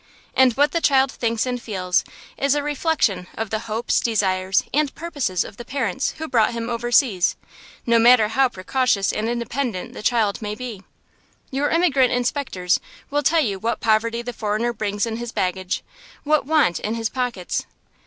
And what the child thinks and feels is a reflection of the hopes, desires, and purposes of the parents who brought him overseas, no matter how precocious and independent the child may be. Your immigrant inspectors will tell you what poverty the foreigner brings in his baggage, what want in his pockets.